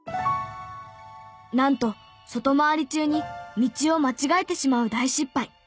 なんと外回り中に道を間違えてしまう大失敗。